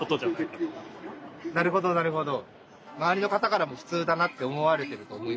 なるほどなるほど。